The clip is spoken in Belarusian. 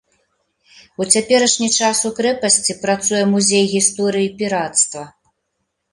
У цяперашні час у крэпасці працуе музей гісторыі пірацтва.